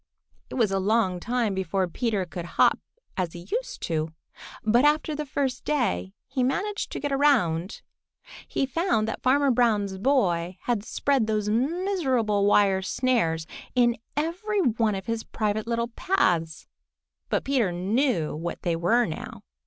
It was a long time before Peter could hop as he used to, but after the first day he managed to get around. He found that Farmer Brown's boy had spread those miserable wire snares in every one of his private little paths. But Peter knew what they were now.